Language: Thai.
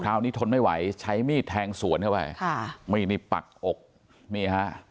ทนไม่ไหวใช้มีดแทงสวนเข้าไปค่ะมีดนี่ปักอกนี่ฮะ